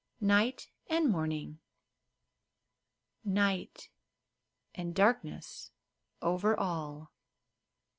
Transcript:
NIGHT AND MORNING I. Night and darkness over all